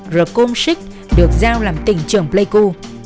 rồi công sức được giao làm tỉnh trưởng pleiku